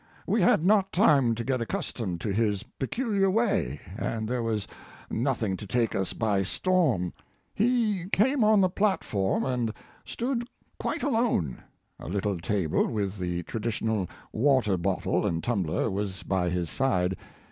We had not time to get accustomed to his peculiar way, and there was nothing to take us by storm. He came on the platform and stood quite alone. A little table, with the traditional water bottle and tumbler, was by his side.